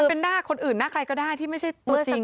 เป็นหน้าคนอื่นหน้าใครก็ได้ที่ไม่ใช่ตัวจริง